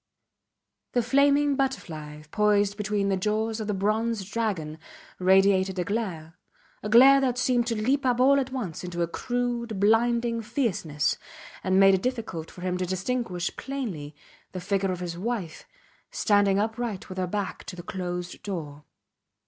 The flaming butterfly poised between the jaws of the bronze dragon radiated a glare, a glare that seemed to leap up all at once into a crude, blinding fierceness, and made it difficult for him to distinguish plainly the figure of his wife standing upright with her back to the closed door.